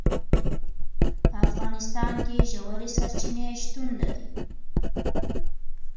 په افغانستان کې ژورې سرچینې شتون لري.